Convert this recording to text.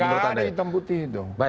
gak ada hitam putih itu